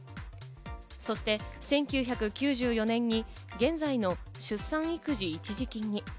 そして１９９４年に現在の出産育児一時金に。